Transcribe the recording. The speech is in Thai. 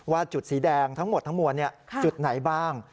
ว่าจุดสีแดงทั้งหมดทั้งมวลจุดไหนบ้าง